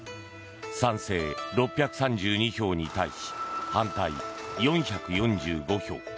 賛成６３２票に対し反対４４５票。